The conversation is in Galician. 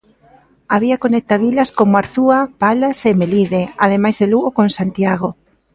A vía conecta vilas como Arzúa, Palas e Melide, ademais de Lugo con Santiago.